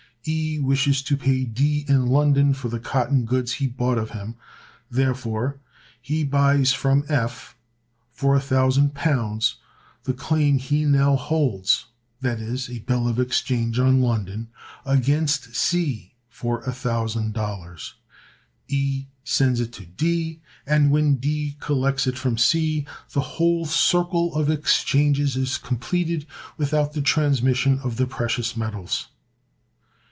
E wishes to pay D in London for the cotton goods he bought of him; therefore, he buys from F for £1,000 the claim he now holds (i.e., a bill of exchange on London) against C for £1,000. E sends it to D, and, when D collects it from C, the whole circle of exchanges is completed without the transmission of the precious metals.